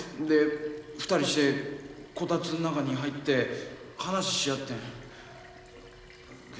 で２人してこたつの中に入って話しやってん。